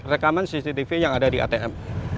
rekaman cctv yang ada di atm